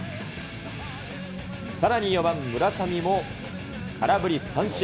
さらに４番村上も空振り三振。